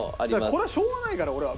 これはしょうがないから俺は。